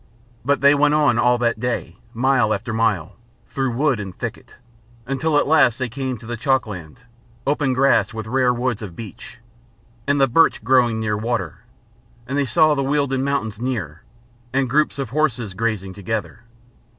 But they went on all that day, mile after mile, through wood and thicket, until at last they came to the chalkland, open grass with rare woods of beech, and the birch growing near water, and they saw the Wealden mountains nearer, and groups of horses grazing together.